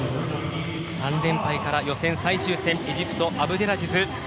３連敗から予選最終戦エジプト、アブデラジズ。